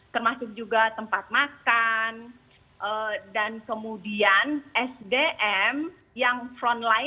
termasuk juga tempat makan dan kemudian sdm yang front line